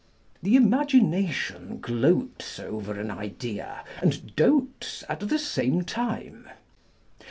The imagination gloats over an idea, and doats at the same time.